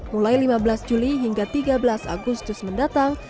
mulai lima belas juli hingga tiga belas agustus mendatang